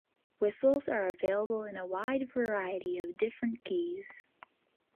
Whistles are available in a wide variety of different keys.